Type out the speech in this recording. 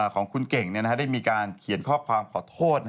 ของคุณเก่งได้มีการเขียนข้อความขอโทษ